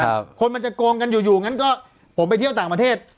คนมันจะโกงกันอยู่อยู่งั้นก็ผมไปเที่ยวต่างประเทศ